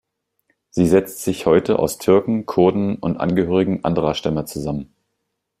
Sie setzt sich heute aus Türken, Kurden und Angehörigen anderer Stämme zusammen.